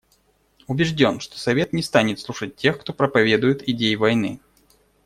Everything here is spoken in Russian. Убежден, что Совет не станет слушать тех, кто проповедует идеи войны.